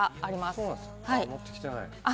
傘持ってきてない。